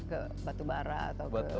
ke batubara atau ke